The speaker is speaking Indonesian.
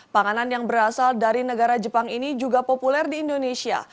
panganan yang berasal dari negara jepang ini juga populer di indonesia